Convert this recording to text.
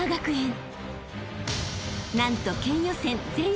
［なんと］